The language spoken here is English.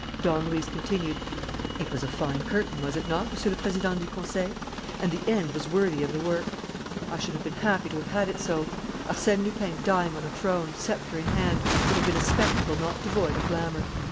Don Luis continued: "It was a fine curtain, was it not, Monsieur le Président du Conseil? And the end was worthy of the work. I should have been happy to have had it so. Arsène Lupin dying on a throne, sceptre in hand, would have been a spectacle not devoid of glamour.